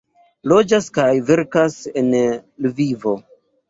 Loĝas kaj verkas en Lvivo.